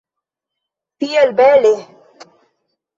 Tiel bele!